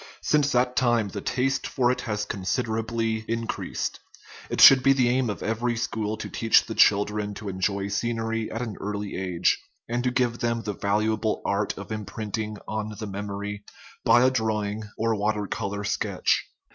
Since that time the taste for it has considerably increased. It should be the aim at every school to teach the children to enjoy scenery at an early age, and to give them the valuable art of imprinting on the memory by a drawing or water color sketch.